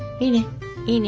いいね。